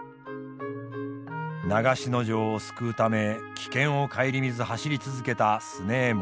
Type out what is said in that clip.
長篠城を救うため危険を顧みず走り続けた強右衛門。